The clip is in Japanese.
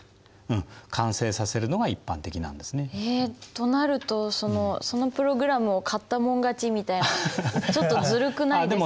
となるとそのプログラムを買ったもん勝ちみたいなちょっとずるくないですか。